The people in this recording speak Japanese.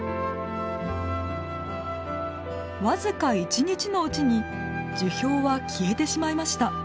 僅か１日のうちに樹氷は消えてしまいました。